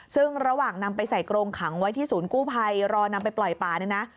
ซึ่งระหว่างนำไปใส่กรงขังไว้ที่ศูนย์กู้ภัยรอนำไปปล่อยป่าเนี่ยนะ